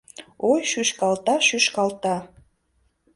Ой, шӱшкалта, шӱшкалта